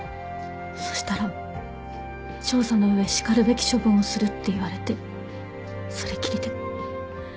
そしたら「調査の上しかるべき処分をする」って言われてそれきりで。